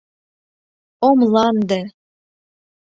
О Мланде!